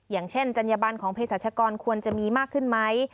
อย่างเช่นจัญญบันของเพศรัชกรควรจะมีมากขึ้นไหม